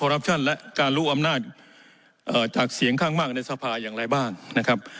รับชั่นและการรู้อำนาจจากเสียงข้างมากในสภาอย่างไรบ้างนะครับ